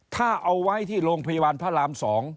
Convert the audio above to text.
ถ้าเอาไว้ที่โรงพยาบาลพระราม๒